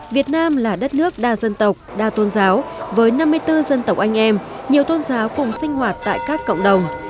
việt nam là đất nước đa dân tộc đa tôn giáo với năm mươi bốn dân tộc anh em nhiều tôn giáo cùng sinh hoạt tại các cộng đồng